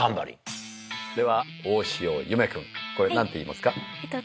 では大塩優芽君これ何ていいますか？